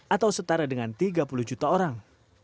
atau setara dengan tiga puluh juta orang